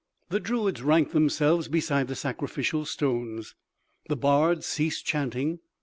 The druids ranked themselves beside the sacrificial stones. The bards ceased chanting.